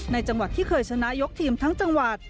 ในจังหวัดที่เคยชนะยกทีมทั้งจังหวัด